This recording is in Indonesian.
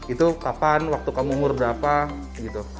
itu kapan waktu kamu umur berapa gitu